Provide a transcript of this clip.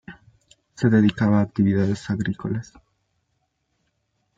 Se dedicaba a actividades agrícolas.